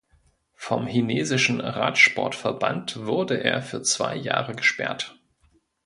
Vom Chinesischen Radsportverband wurde er für zwei Jahre gesperrt.